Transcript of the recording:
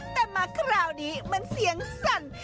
แต่มาคราวนี้มันเสียงสั่น